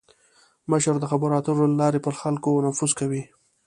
مشر د خبرو اترو له لارې پر خلکو نفوذ کوي.